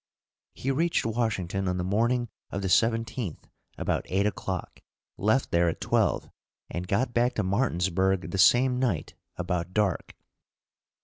He reached Washington on the morning of the 17th about eight o'clock, left there at twelve; and got back to Martinsburg the same night about dark.